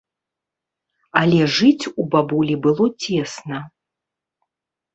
Але жыць у бабулі было цесна.